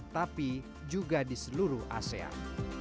tapi juga di seluruh asean